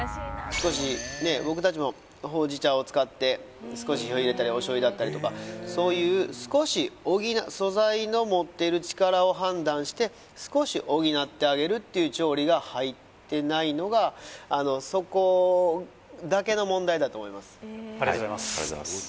少しねえ僕達もほうじ茶を使って少し火を入れたりお醤油であったりとかそういう少し素材の持っている力を判断して少し補ってあげるっていう調理が入ってないのがあのそこだけの問題だと思います